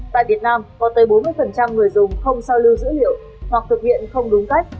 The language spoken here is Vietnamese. tại việt nam có tới bốn mươi người dùng không sao lưu dữ liệu hoặc thực hiện không đúng cách